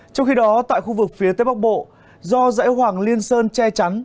trong khi đó tại khu vực phía tây bắc bộ do dãy hoàng liên sơn che chắn